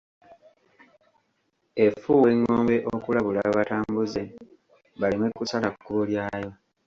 Efuuwa engombe okulabula abatambuze, baleme kusala kkubo lyayo.